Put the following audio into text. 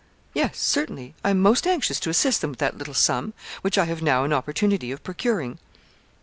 'Yes, certainly, I am most anxious to assist them with that little sum, which I have now an opportunity of procuring.'